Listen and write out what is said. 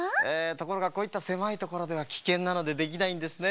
ところがこういったせまいところではきけんなのでできないんですねえ。